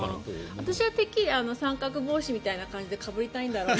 私はてっきり三角帽子みたいな感じでかぶりたいんだろうなと。